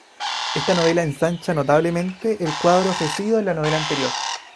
Esta novela ensancha notablemente el cuadro ofrecido en la novela anterior.